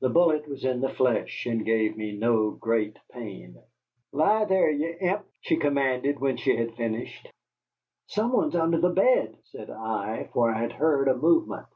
The bullet was in the flesh, and gave me no great pain. "Lie there, ye imp!" she commanded, when she had finished. "Some one's under the bed," said I, for I had heard a movement.